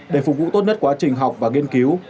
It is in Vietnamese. để phục vụ tốt nhất quá trình học và nghiên cứu